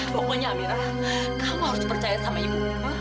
pokoknya amirah kamu harus percaya sama ibu